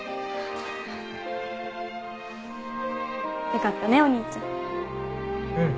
よかったねお兄ちゃん。